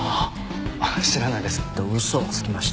知らないです。と嘘をつきました。